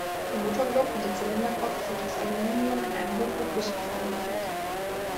Der Motorblock und der Zylinderkopf sind aus Aluminium in einem Hochdruck-Guss-Verfahren gefertigt.